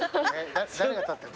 誰が立ってたの？